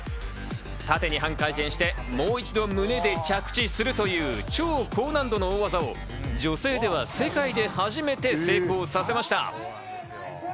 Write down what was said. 縦に半回転してもう一度胸で着地するという超高難度の大技を女性では世界で初めて成功させました。